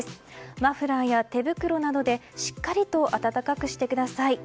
マフラーや手袋などでしっかりと暖かくしてください。